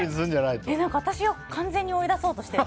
私を完全に追い出そうとしてて。